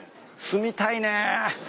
住みたいね。